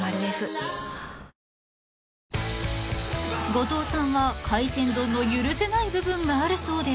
［後藤さんは海鮮丼の許せない部分があるそうで］